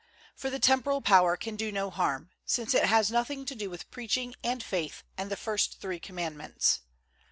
For the temporal power can do no harm, I since it has nothing to do with preaching and faith and the first three Commandments.